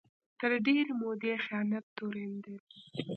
تر ډېرې مودې خیانت تورنېدل